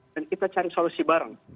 dan kita cari solusi bareng